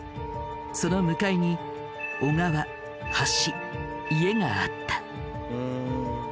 その向かいに小川橋家があった。